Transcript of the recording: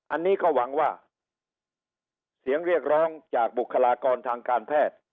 อันนี้ก็หวังว่าเสียงเรียกร้องจากบุคลากรทางการแพทย์